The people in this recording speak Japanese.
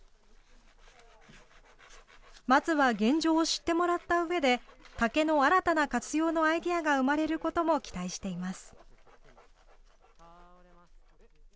まずは現状を知ってもらったうえで、竹の新たな活用のアイデアが生まれることも期待しています。